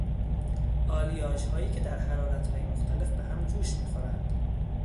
آلیاژهایی که در حرارتهای مختلف به هم جوش میخورند